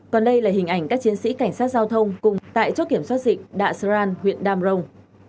còn đây là hình ảnh các chiến sĩ cảnh sát giao thông cùng tại chốt kiểm soát dịch đạ san huyện đam rồng